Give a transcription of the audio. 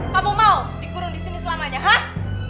kamu mau dikurung di sini selamanya hah